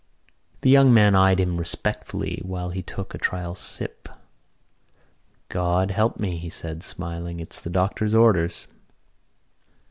The young men eyed him respectfully while he took a trial sip. "God help me," he said, smiling, "it's the doctor's orders."